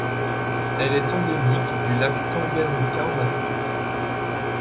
Elle est endémique du lac Tanganyika en Afrique.